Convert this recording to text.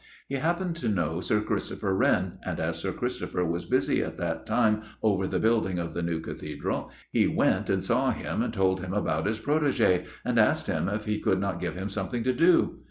He happened to know Sir Christopher Wren, and as Sir Christopher was busy at that time over the building of the new Cathedral, he went and saw him, and told him about his protégé, and asked him if he could not give him something to do.